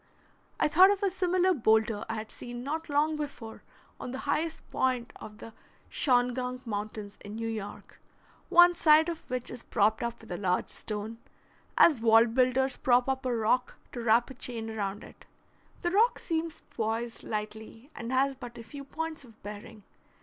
I thought of a similar boulder I had seen not long before on the highest point of the Shawangunk Mountains in New York, one side of which is propped up with a large stone, as wall builders prop up a rock to wrap a chain around it. The rock seems poised lightly, and has but a few points of bearing.